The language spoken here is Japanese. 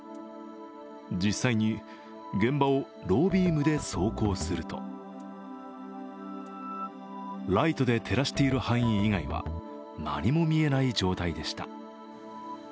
実際に現場をロービームで走行するとライトで照らしている範囲以外は何も見えない状態でした。